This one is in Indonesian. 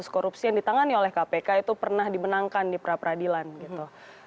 kasus korupsi yang ditangani oleh kpk itu pernah dimenangkan di pra peradilan gitu